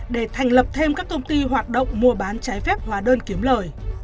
để thành lập thêm các công ty hoạt động mua bán trái phép hóa đơn kiếm lời